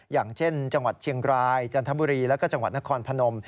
อย่างเช่นจังหวัดเชียงรายจันทมบุหรี่โรคนครพะนม